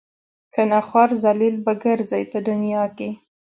کنه خوار ذلیل به ګرځئ په دنیا کې.